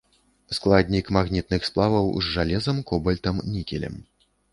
Складнік магнітных сплаваў з жалезам, кобальтам, нікелем.